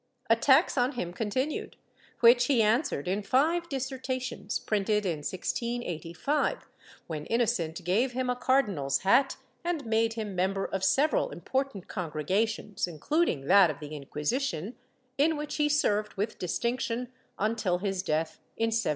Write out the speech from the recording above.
Attacks on him continued, which he answered in five dissertations, printed in 1685, when Innocent gave him a cardinal's hat and made him member of several im portant congregations, including that of the Inquisition, in which he served with distinction, until his death in 1704.